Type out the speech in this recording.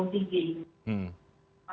waktu pln diharuskan